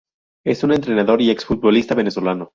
Es un entrenador y ex-futbolista venezolano.